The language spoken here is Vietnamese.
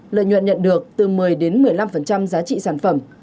lợi nhuận nhận được từ một mươi một mươi năm giá trị sản phẩm